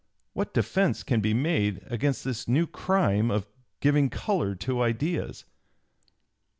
What defence can be made against this new crime of giving color to ideas?"